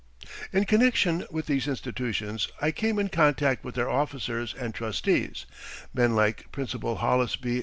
In connection with these institutions I came in contact with their officers and trustees men like Principal Hollis B.